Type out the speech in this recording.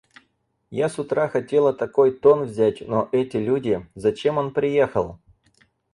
Я с утра хотела такой тон взять, но эти люди... Зачем он приехал?